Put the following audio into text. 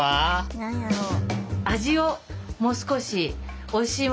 何やろう？